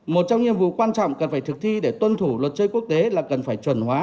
một trong nhiệm vụ quan trọng cần phải thực thi để tuân thủ luật chơi quốc tế là cần phải chuẩn hóa